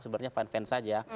sebenarnya fans fans saja